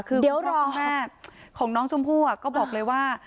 คุณพ่อคุณแม่ของน้องชมพู่ก็บอกเลยว่า